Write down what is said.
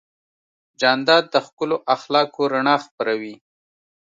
جانداد د ښکلو اخلاقو رڼا خپروي.